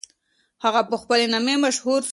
هغه په خپل نامې مشهور سو.